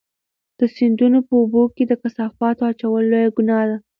د سیندونو په اوبو کې د کثافاتو اچول لویه ګناه ده.